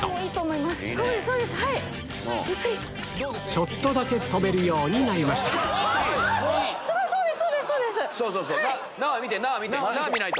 ちょっとだけ跳べるようになりましたすごい！